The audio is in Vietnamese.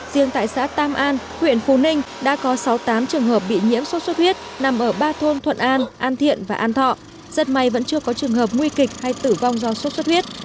riêng tại xã tam an huyện phú ninh đã có sáu mươi tám trường hợp bị nhiễm sốt xuất huyết nằm ở ba thôn thuận an an thiện và an thọ rất may vẫn chưa có trường hợp nguy kịch hay tử vong do sốt xuất huyết